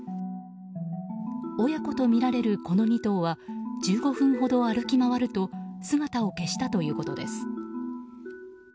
親子とみられる、この２頭は１５分ほど歩き回ると姿を消したということです。